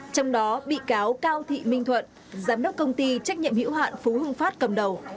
trong đó bị cáo cao thị minh thuận giám đốc công ty trách nhiệm hữu hạn phú hưng phát cầm đầu